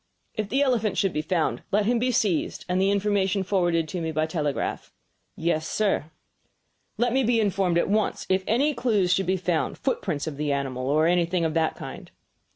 "If the elephant should be found, let him be seized, and the information forwarded to me by telegraph." "Yes, sir." "Let me be informed at once if any clues should be found footprints of the animal, or anything of that kind."